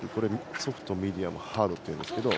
ソフト、ミディアムハードというんですけど。